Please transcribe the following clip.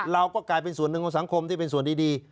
เราก็กลายเป็นส่วนหนึ่งของสังคมที่เป็นส่วนดี